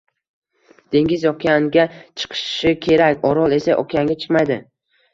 Dengiz okeanga chiqishi kerak. Orol esa, okeanga chiqmaydi.